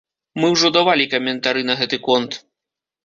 Мы ўжо давалі каментары на гэты конт!